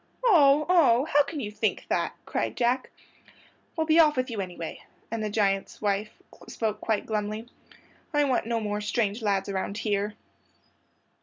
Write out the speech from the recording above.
"Oh, oh! How can you think that?" cried Jack. "Well, be off with you, anyway"; and the giant's wife spoke quite glumly. "I want no more strange lads around here."